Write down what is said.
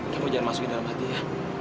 kamu jangan masukin dalam hati ya